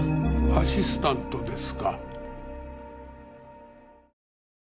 アシスタントですか？